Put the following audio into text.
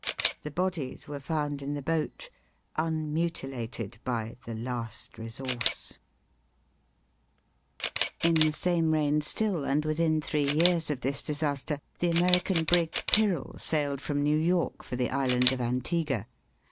The bodies were found in the boat, unmutilated by the last resource. 390 HOUSEHOLD WORDS. IConductedby lu the same reign still, ami within three years of this disaster, the American brig, Tyrel, sailed from New York for the Island of Antigua.